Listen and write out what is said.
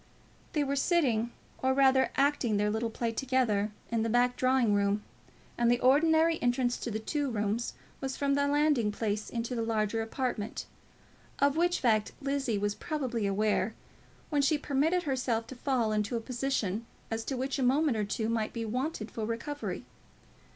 They were sitting, or rather acting their little play together, in the back drawing room, and the ordinary entrance to the two rooms was from the landing place into the larger apartment; of which fact Lizzie was probably aware, when she permitted herself to fall into a position as to which a moment or two might be wanted for recovery.